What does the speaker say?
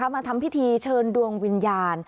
มาทำพิธีเชิญดวงวิญญาณ